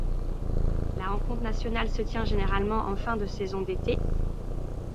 La rencontre nationale se tient généralement en fin de saison d'été.